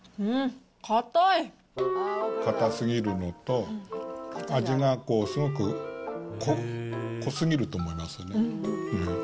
硬すぎるのと、味がすごく濃すぎると思いますね。